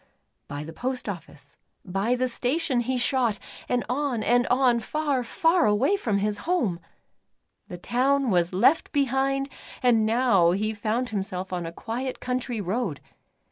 By the post office, by the station he shot, and on and on, far, far away from his home I The town was left behind, and now he found him self on a quiet country road.